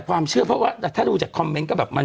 บังเอิญจะเหมือนอย่างงี้เลยหรอ